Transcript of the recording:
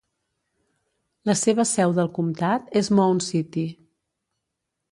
La seva seu del comtat és Mound City.